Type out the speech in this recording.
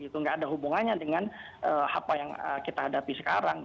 tidak ada hubungannya dengan apa yang kita hadapi sekarang